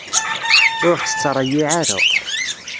Ur ɣ-tt-ttreyyiɛ ara.